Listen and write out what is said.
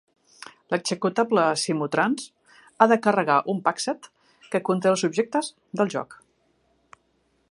L'executable "Simutrans" ha de carregar un PakSet que conté els objectes del joc.